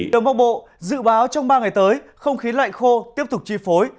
đồng bộ dự báo trong ba ngày tới không khí lạnh khô tiếp tục chi phối